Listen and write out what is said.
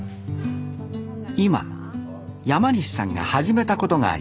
今山西さんが始めたことがあります